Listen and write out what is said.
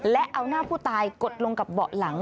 และเอาหน้าผู้ตายกดลงกับเบาะหลัง